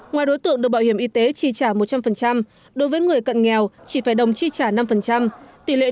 ngoài đối tượng được bảo hiểm y tế chi trả một trăm linh đối với người cận nghèo chỉ phải đồng chi trả năm